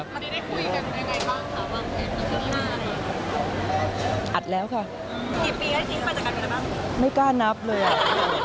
มันได้คุยกันยังไงบ้างคะ